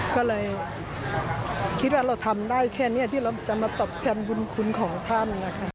ก็เลยคิดว่าเราทำได้แค่นี้ที่เราจะมาตอบแทนบุญคุณของท่านนะคะ